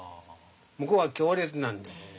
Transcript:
向こうは強烈なんで。